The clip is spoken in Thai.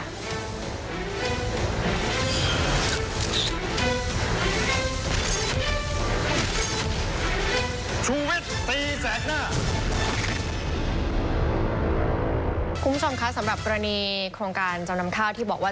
คุณผู้ชมคะสำหรับกรณีโครงการจำนำข้าวที่บอกว่า